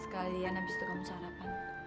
sekalian abis itu kamu sarapan